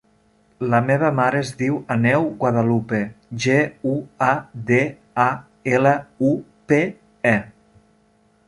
La meva mare es diu Aneu Guadalupe: ge, u, a, de, a, ela, u, pe, e.